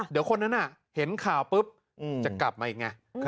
เดี๋ยวคนนั้นเห็นข่าวปุ๊บจะกลับมาอีกไง